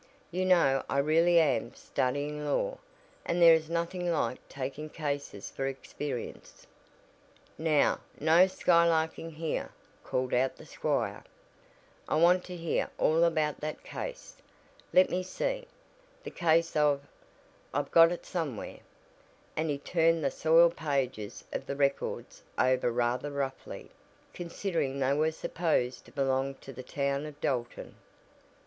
You know I really am studying law, and there is nothing like taking cases for experience." "Now, no skylarking here," called out the squire, "I want to hear all about that case, let me see the case of I've got it somewhere," and he turned the soiled pages of the "records" over rather roughly, considering they were supposed to belong to the town of Dalton.